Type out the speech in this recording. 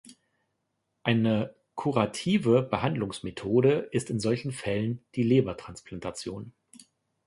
Eine kurative Behandlungsmethode ist in solchen Fällen die Lebertransplantation.